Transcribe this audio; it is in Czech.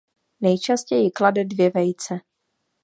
Nejčastěji klade dvě vejce.